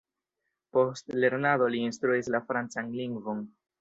Post lernado li instruis la francan lingvon.